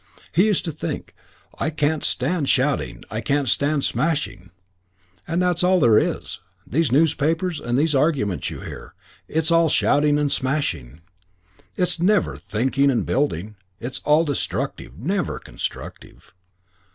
He used to think, "I can't stand shouting and I can't stand smashing. And that's all there is. These newspapers and these arguments you hear it's all shouting and smashing. It's never thinking and building. It's all destructive; never constructive.